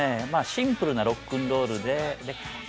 シンプルなロックンロールであ